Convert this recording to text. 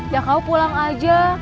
ya kau pulang aja